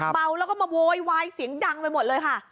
เมาแล้วก็มาโวยวายเสียงดังไปหมดเลยค่ะ